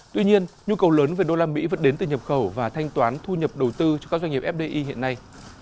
tuy nhiên nhu cầu lớn về đô la mỹ vẫn đến từ nhập khẩu và thanh toán thu nhập đầu tư cho các doanh nghiệp fdi hiện nay